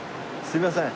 すいません。